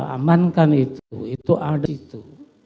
amankan itu itu ada di situ